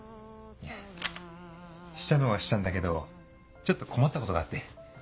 いやしたのはしたんだけどちょっと困ったことがあって。